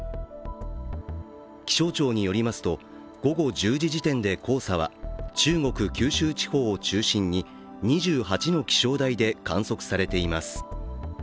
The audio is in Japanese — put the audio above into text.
気象庁によりますと午後１０時時点で黄砂は中国・九州地方を中心に２８の気象台で観測されています。